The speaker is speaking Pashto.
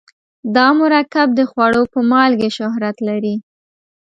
دا مرکب د خوړو په مالګې شهرت لري.